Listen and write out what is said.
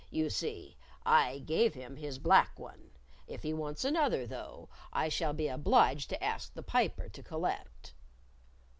You see, I gave him his black one. If he wants another, though, I shall be obliged to ask the Piper to collect."